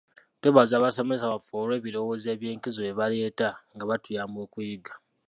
Twebaza abasomesa baffe olw'ebirowoozo eby'enkizo bye baleeta nga batuyamba okuyiga.